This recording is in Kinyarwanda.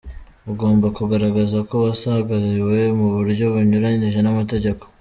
Ugomba kugaragaza ko wasagariwe mu buryo bunyuranije n’amategeko.